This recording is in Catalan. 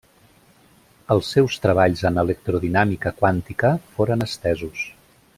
Els seus treballs en electrodinàmica quàntica foren estesos.